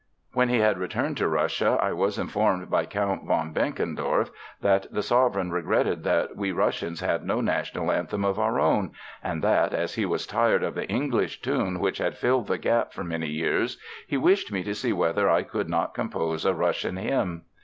When we had returned to Russia I was informed by Count von Benkendorf that the sovereign regretted that we Russians had no national anthem of our own, and that, as he was tired of the English tune which had filled the gap for many years, he wished me to see whether I could not compose a Russian hymn.